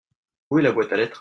Où est la boîte à lettres ?